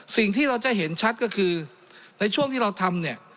สิ่งที่เราจะเห็นชัดก็คือในช่วงที่เราทำเนี่ย